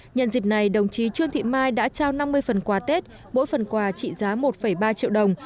nhân dịp này đồng chí trương thị mai đã trao năm mươi phần quà tết mỗi phần quà trị giá một ba triệu đồng